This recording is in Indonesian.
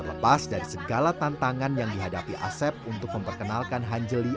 lepas dari segala tantangan yang dihadapi asep untuk memperkenalkan hanjeli